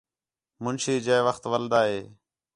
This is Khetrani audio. منشی جئے وخت وَلدا ہِے